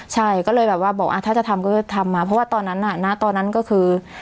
ใช่ก็เลยแบบว่าบอกถ้าจะทำก็ทำมาเพราะว่าตอนนั้นน่ะณตอนนั้นก็คือ